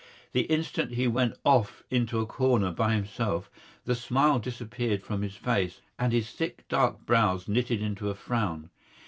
The instant he went off into a corner by himself the smile disappeared from his face, and his thick dark brows knitted into a frown.